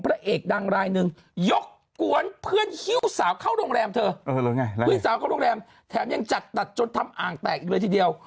เพราะเอกดังรายหนึ่งยกกวนเพื่อนชิูสาวเข้าโรงแรมแถมยังจัดจดจดทำอ่างแตกอีกเลยทีเดียว